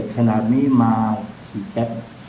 ขนาดยายมาถึงแก๊ส